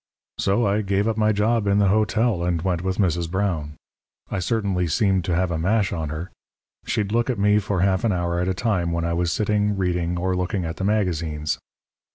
"So I gave up my job in the hotel and went with Mrs. Brown. I certainly seemed to have a mash on her. She'd look at me for half an hour at a time when I was sitting, reading, or looking at the magazines.